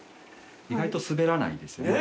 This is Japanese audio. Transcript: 意外と滑らないんですよね。